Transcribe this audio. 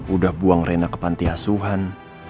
udah buang rena ke pantiasuhan